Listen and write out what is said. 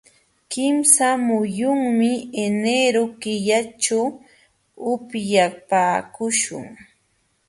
Kimsa muyunmi enero killaćhu upyapaakuśhun.